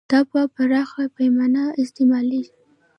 دا په پراخه پیمانه استعمالیږي.